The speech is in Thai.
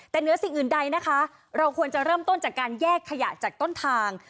แต่เหนือสิ่งอื่นใดนะคะเราควรจะเริ่มต้นจากการแยกขยะจากต้นทาง